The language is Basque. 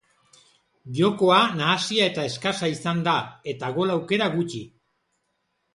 Jokoa nahasia eta eskasa izan da, eta gol aukera gutxi.